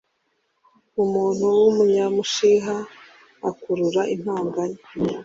umuntu w'umunyamushiha akurura intonganya